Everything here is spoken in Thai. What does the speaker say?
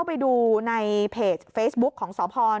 พบวันนี้หรอพบวันนี้เลย